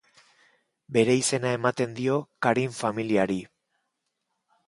Bere izena ematen dio Karin familiari.